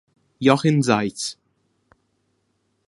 Jochen Seitz